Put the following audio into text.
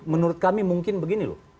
menurut kami mungkin begini loh